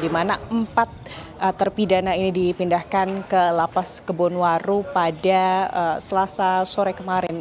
dimana empat terpidana ini dipindahkan ke lapas kebun waru pada selasa sore kemarin